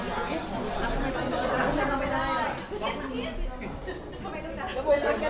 สวัสดีค่ะ